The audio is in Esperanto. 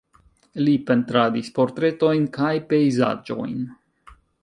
Li pentradis portretojn kaj pejzaĝojn.